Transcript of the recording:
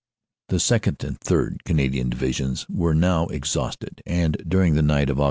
"The 2nd. and 3rd. Canadian Divisions were now ex hausted, and during the night of Aug.